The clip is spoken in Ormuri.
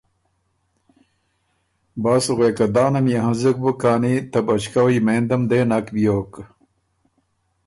بس غوېکه ”دانه ميې هنزُک بُک کانی ته بچکؤ یمېندم دې نک بیوک“